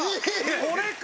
これか！